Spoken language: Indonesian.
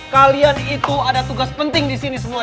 kalian itu ada tugas penting di sini semua